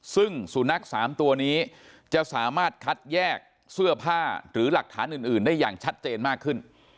ซึ่งสุนัข๓ตัวนี้จะสามารถคัดแยกเสื้อผ้าหรือหลักฐานอื่นได้อย่างชัดเจนมากขึ้น